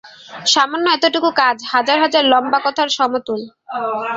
সামান্য এতটুকু কাজ হাজার হাজার লম্বা কথার সমতুল।